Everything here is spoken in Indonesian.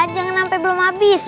jangan sampe belum abis